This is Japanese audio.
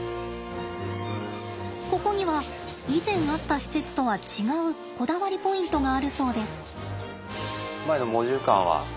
ここには以前あった施設とは違うこだわりポイントがあるそうです。